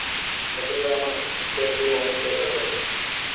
এতে করে আমার পেটেও অনেক ব্যথা করে